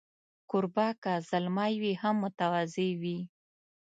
کوربه که زلمی وي، هم متواضع وي.